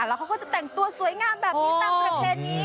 แล้วเขาก็จะแต่งตัวสวยงามแบบนี้ตามประเพณี